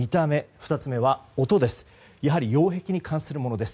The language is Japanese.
２つ目は音です。